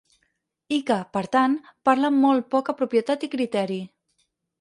I que, per tant, parla amb molt poca propietat i criteri.